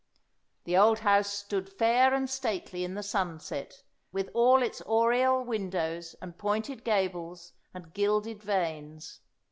The old house stood fair and stately in the sunset, with all its oriel windows and pointed gables and gilded vanes.